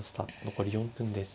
残り４分です。